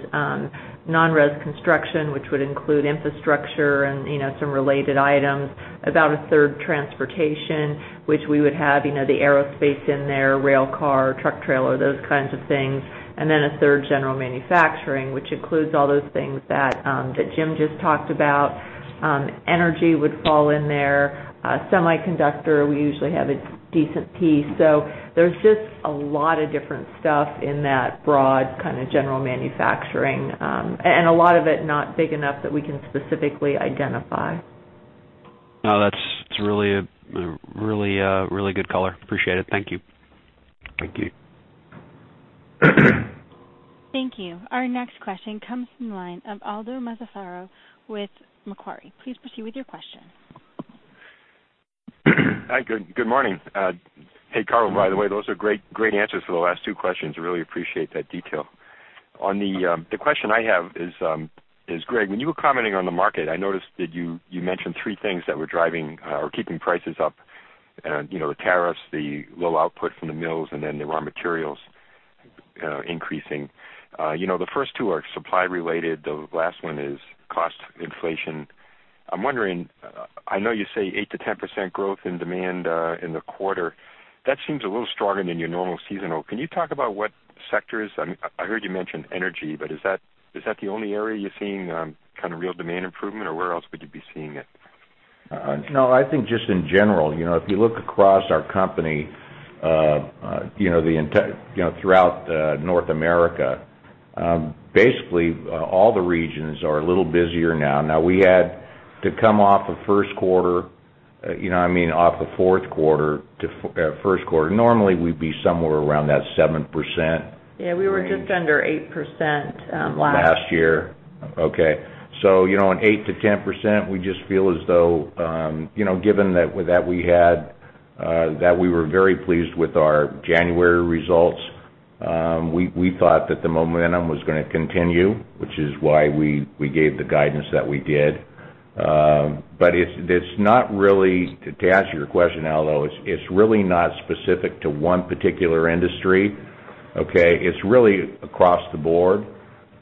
non-res construction, which would include infrastructure and some related items. About a third transportation, which we would have the aerospace in there, rail car, truck trailer, those kinds of things. Then a third general manufacturing, which includes all those things that Jim just talked about. Energy would fall in there. Semiconductor, we usually have a decent piece. There's just a lot of different stuff in that broad kind of general manufacturing, and a lot of it not big enough that we can specifically identify. No, that's a really good color. Appreciate it. Thank you. Thank you. Thank you. Our next question comes from the line of Aldo Mazzaferro with Macquarie. Please proceed with your question. Hi, good morning. Hey, Karla, by the way, those are great answers to the last two questions. I really appreciate that detail. The question I have is, Gregg, when you were commenting on the market, I noticed that you mentioned three things that were driving or keeping prices up: the tariffs, the low output from the mills, and then the raw materials increasing. The first two are supply related, the last one is cost inflation. I'm wondering, I know you say 8%-10% growth in demand in the quarter. That seems a little stronger than your normal seasonal. Can you talk about what sectors? I heard you mention energy, but is that the only area you're seeing kind of real demand improvement, or where else could you be seeing it? No, I think just in general. If you look across our company, throughout North America, basically all the regions are a little busier now. We had to come off the fourth quarter to first quarter. Normally, we'd be somewhere around that 7% range. Yeah, we were just under 8% last. Last year. Okay. On 8%-10%, we just feel as though, given that we were very pleased with our January results, we thought that the momentum was going to continue, which is why we gave the guidance that we did. To answer your question, Aldo, it's really not specific to one particular industry, okay? It's really across the board,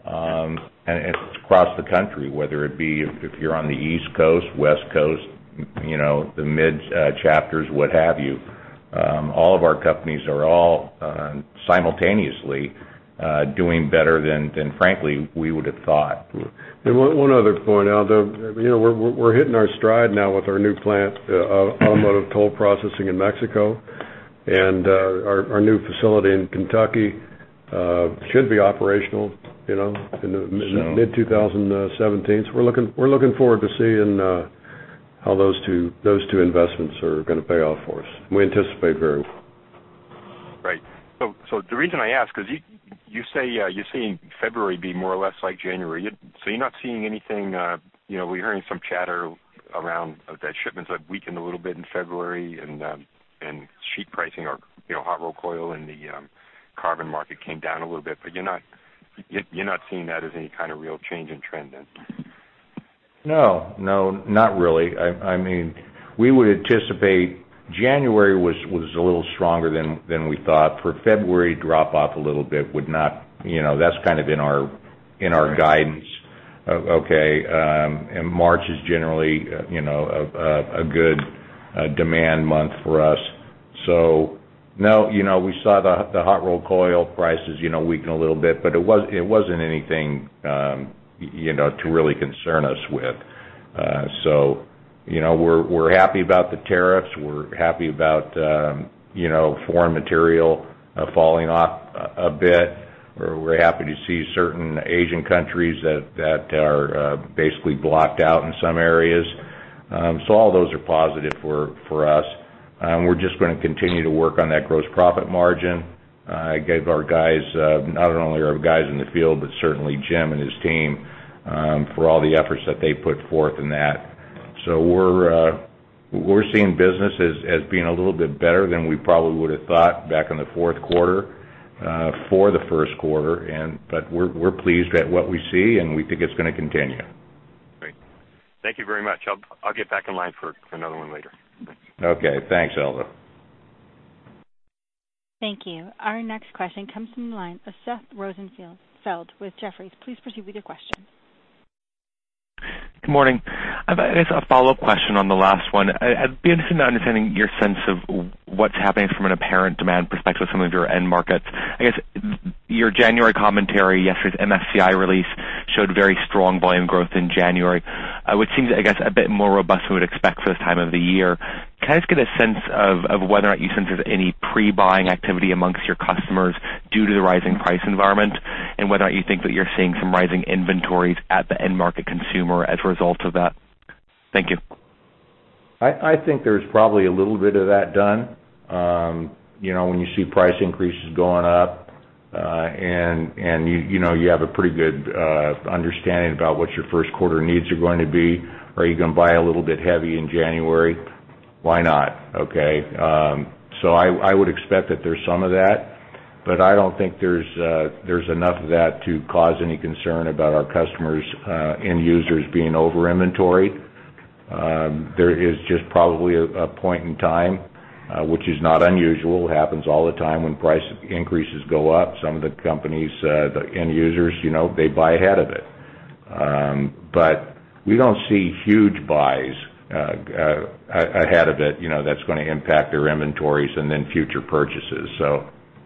and it's across the country, whether it be if you're on the East Coast, West Coast, the mid chapters, what have you. All of our companies are simultaneously doing better than, frankly, we would have thought. One other point, Aldo. We're hitting our stride now with our new plant, Automotive Toll Processing in Mexico. Our new facility in Kentucky should be operational in mid 2017. We're looking forward to seeing how those two investments are gonna pay off for us. We anticipate very. Right. The reason I ask, because you say you're seeing February be more or less like January. You're not seeing anything. We're hearing some chatter around that shipments have weakened a little bit in February and sheet pricing or hot rolled coil in the carbon market came down a little bit. You're not seeing that as any kind of real change in trend then? No, not really. We would anticipate January was a little stronger than we thought. For February, drop off a little bit, that's kind of in our guidance. Right. Okay? March is generally a good demand month for us. No, we saw the hot rolled coil prices weaken a little bit, but it wasn't anything to really concern us with. We're happy about the tariffs. We're happy about foreign material falling off a bit. We're happy to see certain Asian countries that are basically blocked out in some areas. All those are positive for us. We're just going to continue to work on that gross profit margin. I gave our guys, not only our guys in the field, but certainly Jim and his team, for all the efforts that they put forth in that. We're seeing business as being a little bit better than we probably would have thought back in the fourth quarter for the first quarter. We're pleased at what we see, and we think it's gonna continue. Thank you very much. I'll get back in line for another one later. Okay, thanks, Aldo. Thank you. Our next question comes from the line of Seth Rosenfeld with Jefferies. Please proceed with your question. Good morning. I've just a follow-up question on the last one. I'd be interested in understanding your sense of what's happening from an apparent demand perspective, some of your end markets. I guess, your January commentary, yesterday's MSCI release showed very strong volume growth in January, which seems, I guess, a bit more robust than we would expect for this time of the year. Can I just get a sense of whether or not you sense there's any pre-buying activity amongst your customers due to the rising price environment? Whether or not you think that you're seeing some rising inventories at the end market consumer as a result of that. Thank you. I think there's probably a little bit of that done. When you see price increases going up, you have a pretty good understanding about what your first quarter needs are going to be, are you going to buy a little bit heavy in January? Why not, okay? I would expect that there's some of that, I don't think there's enough of that to cause any concern about our customers', end users being over-inventoried. There is just probably a point in time, which is not unusual. Happens all the time when price increases go up. Some of the companies, the end users, they buy ahead of it. We don't see huge buys ahead of it that's gonna impact their inventories future purchases.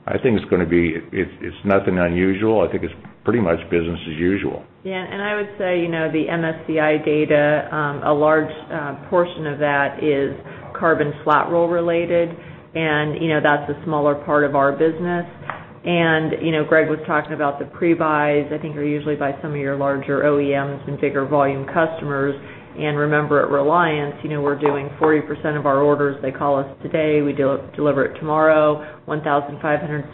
I think it's nothing unusual. I think it's pretty much business as usual. Yeah. I would say, the MSCI data, a large portion of that is carbon flat roll related, and that's a smaller part of our business. Gregg was talking about the pre-buys, I think are usually by some of your larger OEMs and bigger volume customers. Remember at Reliance, we're doing 40% of our orders, they call us today, we deliver it tomorrow, $1,560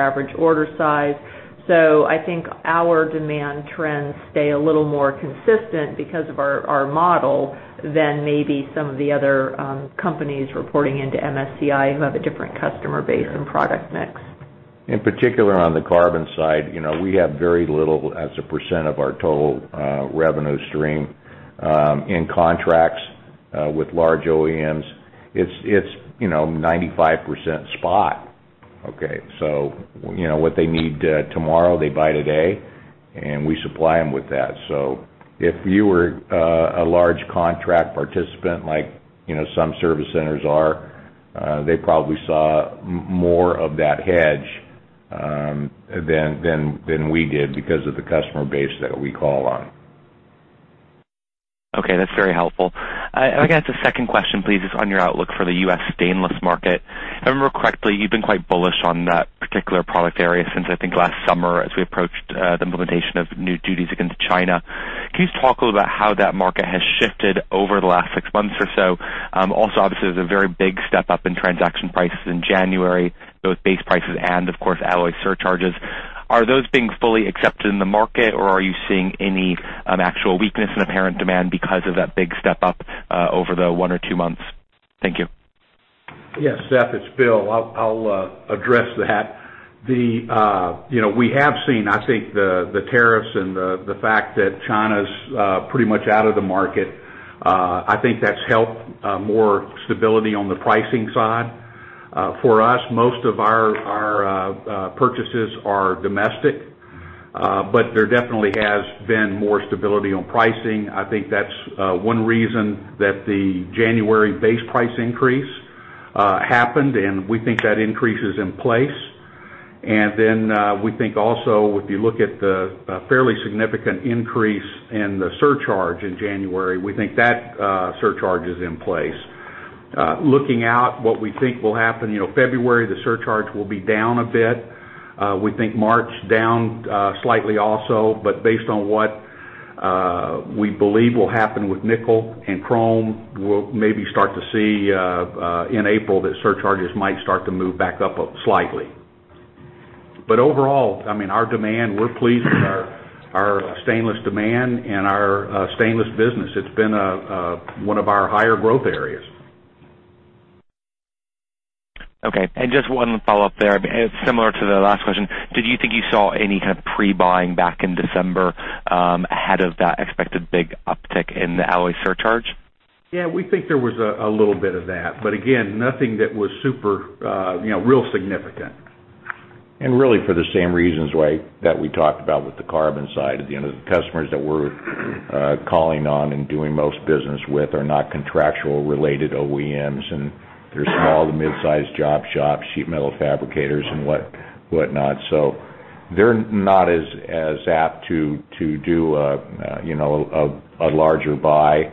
average order size. I think our demand trends stay a little more consistent because of our model than maybe some of the other companies reporting into MSCI who have a different customer base- Yeah and product mix. In particular on the carbon side, we have very little as a percent of our total revenue stream, in contracts with large OEMs. It's 95% spot. Okay. What they need tomorrow, they buy today, and we supply them with that. If you were a large contract participant like some service centers are, they probably saw more of that hedge than we did because of the customer base that we call on. Okay, that's very helpful. I guess a second question, please, is on your outlook for the U.S. stainless market. If I remember correctly, you've been quite bullish on that particular product area since, I think, last summer as we approached the implementation of new duties against China. Can you just talk a little about how that market has shifted over the last six months or so? Also, obviously, there's a very big step up in transaction prices in January, both base prices and of course, alloy surcharges. Are those being fully accepted in the market, or are you seeing any actual weakness in apparent demand because of that big step up over the one or two months? Thank you. Yes, Seth, it's Bill. I'll address that. We have seen, I think, the tariffs and the fact that China's pretty much out of the market. I think that's helped more stability on the pricing side. For us, most of our purchases are domestic, but there definitely has been more stability on pricing. I think that's one reason that the January base price increase happened, and we think that increase is in place. We think also, if you look at the fairly significant increase in the surcharge in January, we think that surcharge is in place. Looking out what we think will happen February, the surcharge will be down a bit. We think March down slightly also, but based on what we believe will happen with nickel and chrome, we'll maybe start to see, in April, that surcharges might start to move back up slightly. Overall, I mean, our demand, we're pleased with our stainless demand and our stainless business. It's been one of our higher growth areas. Okay. Just one follow-up there, similar to the last question. Did you think you saw any kind of pre-buying back in December, ahead of that expected big uptick in the alloy surcharge? Yeah, we think there was a little bit of that, but again, nothing that was super real significant. Really for the same reasons that we talked about with the carbon side. The customers that we're calling on and doing most business with are not contractual-related OEMs, and they're small to mid-size job shops, sheet metal fabricators, and whatnot. They're not as apt to do a larger buy.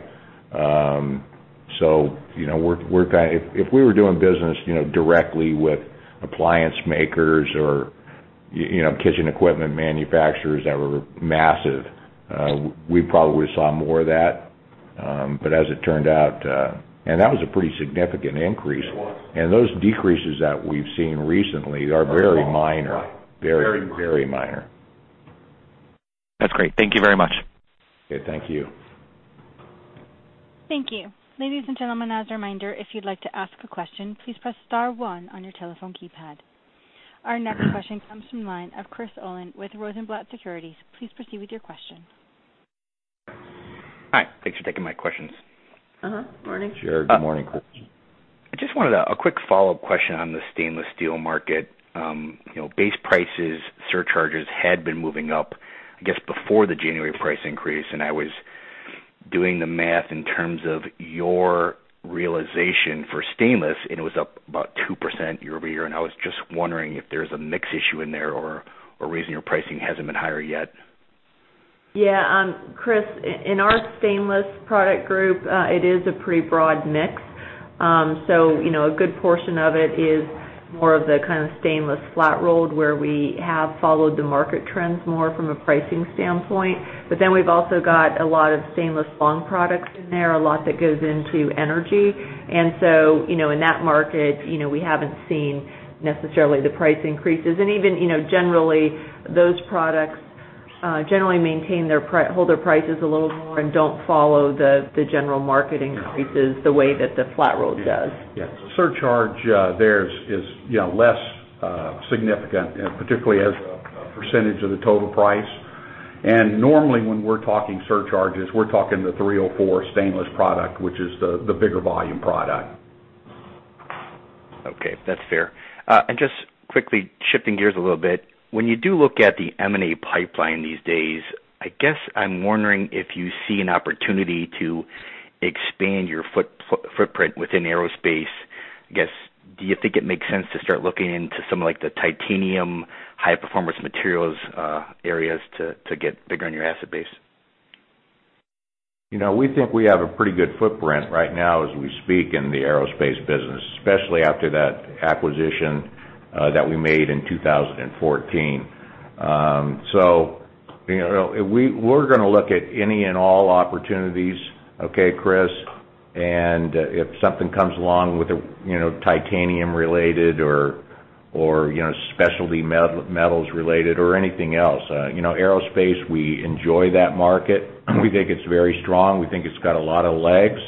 If we were doing business directly with appliance makers or kitchen equipment manufacturers that were massive, we probably would've saw more of that. As it turned out. That was a pretty significant increase. It was. Those decreases that we've seen recently are very minor. Very small. Right. Very minor. Very minor. That's great. Thank you very much. Okay, thank you. Thank you. Ladies and gentlemen, as a reminder, if you'd like to ask a question, please press star one on your telephone keypad. Our next question comes from the line of Chris Olin with Rosenblatt Securities. Please proceed with your question. Hi, thanks for taking my questions. Uh-huh, morning. Sure. Good morning, Chris. I just wanted a quick follow-up question on the stainless steel market. Base prices, surcharges had been moving up, I guess, before the January price increase, and I was doing the math in terms of your realization for stainless, and it was up about 2% year-over-year, and I was just wondering if there's a mix issue in there or a reason your pricing hasn't been higher yet. Chris, in our stainless product group, it is a pretty broad mix. A good portion of it is more of the kind of stainless flat rolled, where we have followed the market trends more from a pricing standpoint. We've also got a lot of stainless long products in there, a lot that goes into energy. In that market, we haven't seen necessarily the price increases. Even generally, those products generally hold their prices a little more and don't follow the general market increases the way that the flat rolled does. Yeah. Surcharge, theirs is less significant, particularly as a percentage of the total price. Normally, when we're talking surcharges, we're talking the 304 stainless product, which is the bigger volume product. Okay. That's fair. Just quickly shifting gears a little bit, when you do look at the M&A pipeline these days, I guess I'm wondering if you see an opportunity to expand your footprint within aerospace. I guess, do you think it makes sense to start looking into some of the titanium high-performance materials areas to get bigger on your asset base? We think we have a pretty good footprint right now as we speak in the aerospace business, especially after that acquisition that we made in 2014. We're going to look at any and all opportunities, okay, Chris? If something comes along with a titanium-related or specialty metals-related or anything else. Aerospace, we enjoy that market. We think it's very strong. We think it's got a lot of legs.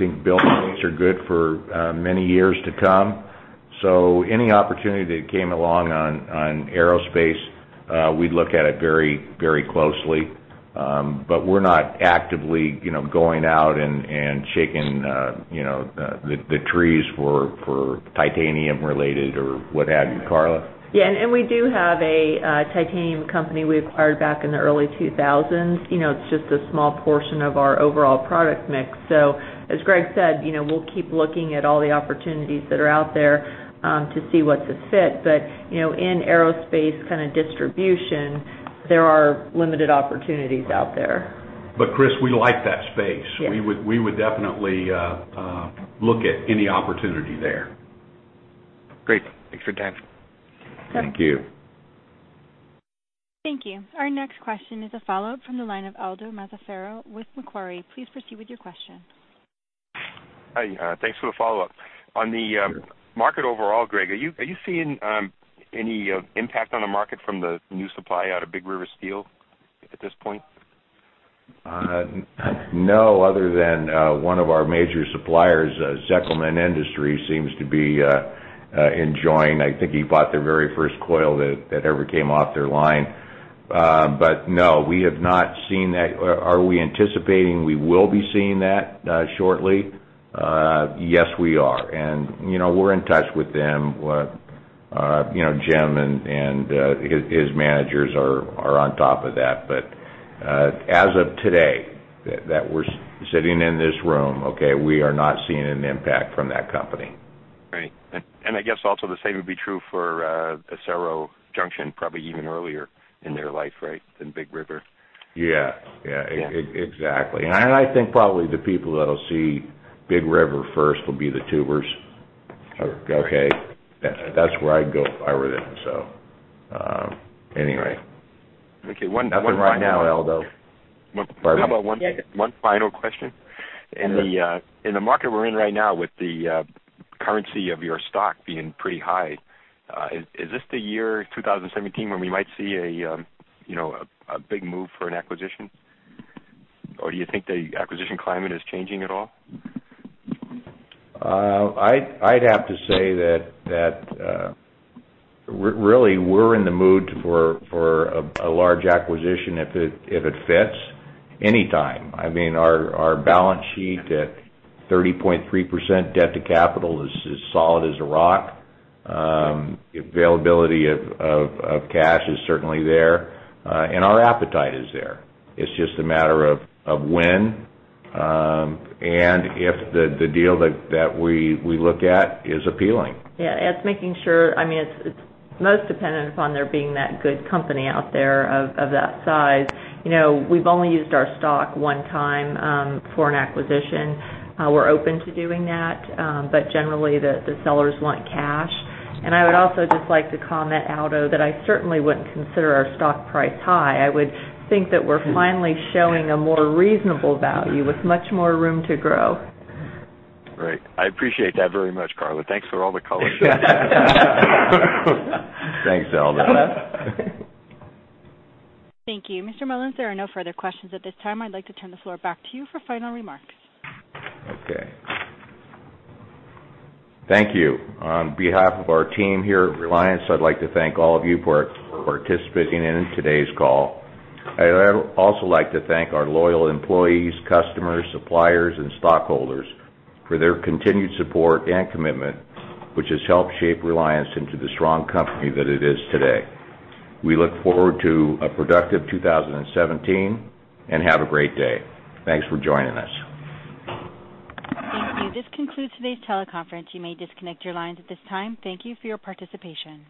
We think build rates are good for many years to come. Any opportunity that came along on aerospace, we'd look at it very closely. We're not actively going out and shaking the trees for titanium-related or what have you. Karla? Yeah. We do have a titanium company we acquired back in the early 2000s. It's just a small portion of our overall product mix. As Gregg said, we'll keep looking at all the opportunities that are out there to see what's a fit. In aerospace kind of distribution, there are limited opportunities out there. Chris, we like that space. Yes. We would definitely look at any opportunity there. Great. Thanks for your time. Thank you. Thank you. Our next question is a follow-up from the line of Aldo Mazzaferro with Macquarie. Please proceed with your question. Hi. Thanks for the follow-up. On the market overall, Gregg, are you seeing any impact on the market from the new supply out of Big River Steel at this point? No, other than one of our major suppliers, Zekelman Industries, seems to be enjoying. I think he bought the very first coil that ever came off their line. No, we have not seen that. Are we anticipating we will be seeing that shortly? Yes, we are. We're in touch with them. Jim and his managers are on top of that. As of today, that we're sitting in this room, okay, we are not seeing an impact from that company. Great. I guess also the same would be true for Acero Junction, probably even earlier in their life, right, than Big River? Yeah, exactly. I think probably the people that'll see Big River first will be tubers. Okay? That's where I'd go if I were them. Anyway. Okay. One final- Nothing right now, Aldo. Pardon me. How about one final question? Okay. In the market we're in right now with the currency of your stock being pretty high, is this the year 2017 when we might see a big move for an acquisition? Do you think the acquisition climate is changing at all? I'd have to say that really we're in the mood for a large acquisition if it fits, anytime. Our balance sheet at 30.3% debt to capital is as solid as a rock. Availability of cash is certainly there. Our appetite is there. It's just a matter of when, and if the deal that we look at is appealing. Yeah. It's most dependent upon there being that good company out there of that size. We've only used our stock one time for an acquisition. We're open to doing that. Generally, the sellers want cash. I would also just like to comment, Aldo, that I certainly wouldn't consider our stock price high. I would think that we're finally showing a more reasonable value with much more room to grow. Great. I appreciate that very much, Karla. Thanks for all the color. Thanks, Aldo. Thank you. Gregg Mollins, there are no further questions at this time. I'd like to turn the floor back to you for final remarks. Okay. Thank you. On behalf of our team here at Reliance, I'd like to thank all of you for participating in today's call. I'd also like to thank our loyal employees, customers, suppliers, and stockholders for their continued support and commitment, which has helped shape Reliance into the strong company that it is today. We look forward to a productive 2017, and have a great day. Thanks for joining us. Thank you. This concludes today's teleconference. You may disconnect your lines at this time. Thank you for your participation.